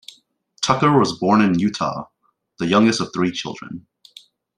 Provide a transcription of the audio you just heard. Tucker was born in Utah, the youngest of three children.